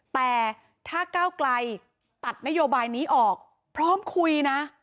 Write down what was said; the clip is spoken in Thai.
แต่ถ้าก้าวไกลตัดนโยบายนี้ออกพร้อมคุยนะ